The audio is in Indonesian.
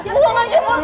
buang aja foto nya